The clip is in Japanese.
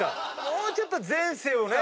もうちょっと前世をね。